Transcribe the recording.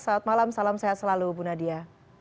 selamat malam salam sehat selalu bu nadia